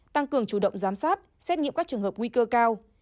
tăng cường chủ động giám sát xét nghiệm các trường hợp nguy cơ cao